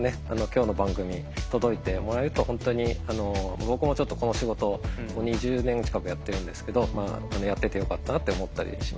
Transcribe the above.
今日の番組届いてもらえると本当に僕もちょっとこの仕事２０年近くやってるんですけどやっててよかったなって思ったりしましたね。